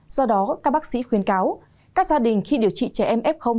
do đó các bác sĩ khuyên cáo các gia đình khi điều trị trẻ em f